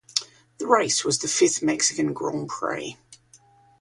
The race was the fifth Mexican Grand Prix.